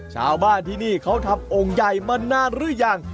ชาวบ้านที่นี่เขาทำองค์ใหญ่มานานหรือยัง